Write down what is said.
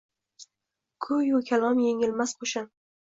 Kuy-u kalom – yengilmas qoʼshin.